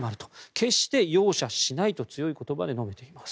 決して容赦しないと強い言葉で述べています。